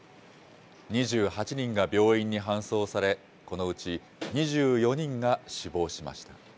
２８人が病院に搬送され、このうち２４人が死亡しました。